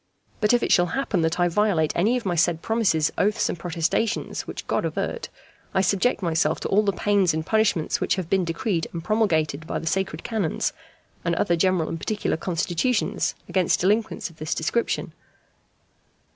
But if it shall happen that I violate any of my said promises, oaths, and protestations (which God avert!), I subject myself to all the pains and punishments which have been decreed and promulgated by the sacred canons, and other general and particular constitutions, against delinquents of this description.